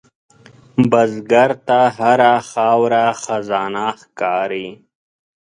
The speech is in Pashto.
بزګر ته هره خاوره خزانه ښکاري